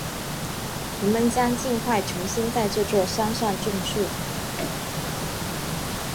人们将尽快重新在这座山上种树。